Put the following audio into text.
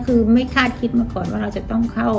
คือไม่คาดคิดมาก่อนว่าเราจะต้องเข้า